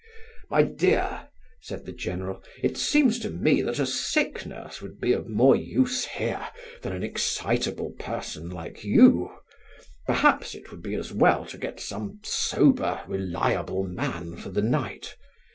"My dear," said the general, "it seems to me that a sick nurse would be of more use here than an excitable person like you. Perhaps it would be as well to get some sober, reliable man for the night.